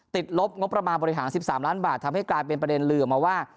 ลบงบประมาณบริหาร๑๓ล้านบาททำให้กลายเป็นประเด็นลืมมาว่า